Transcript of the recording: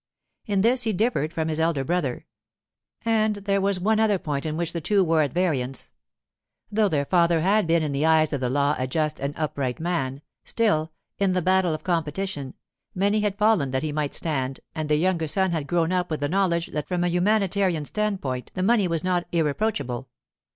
In this he differed from his elder brother. And there was one other point in which the two were at variance. Though their father had been in the eyes of the law a just and upright man, still, in the battle of competition, many had fallen that he might stand, and the younger son had grown up with the knowledge that from a humanitarian standpoint the money was not irreproachable.